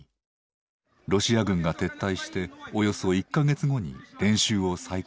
ロシア軍が撤退しておよそ１か月後に練習を再開した。